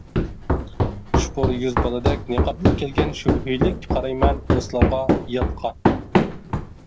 چۇپۇر يۈز بالىدەك نىقابلىق كەلگەن شۈبھىلىك قارايمەن دوستلارغا، ياتقا.